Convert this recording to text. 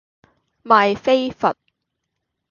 賣飛佛